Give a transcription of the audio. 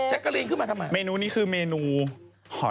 จากกระแสของละครกรุเปสันนิวาสนะฮะ